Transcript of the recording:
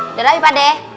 udah lagi pak de